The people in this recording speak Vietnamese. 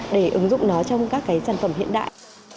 để ứng dụng nó trong các cái sản phẩm hiện đại